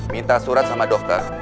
minta surat sama dokter